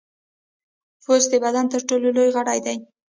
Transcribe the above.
پوست د بدن تر ټولو لوی غړی دی.